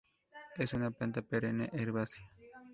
Es una planta perenne, herbácea.